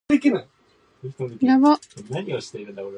Specter flees, and Hikaru manages to downsize and capture Yellow.